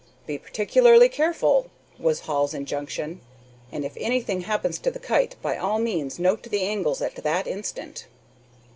"Be particularly careful," was Hall's injunction, "and if anything happens to the kite by all means note the angles at that instant."